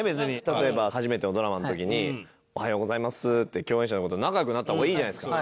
例えば初めてのドラマの時に「おはようございます」って共演者の方と仲良くなった方がいいじゃないですか。